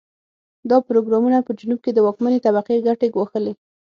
دا پروګرامونه په جنوب کې د واکمنې طبقې ګټې ګواښلې.